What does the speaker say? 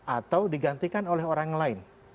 atau digantikan oleh orang lain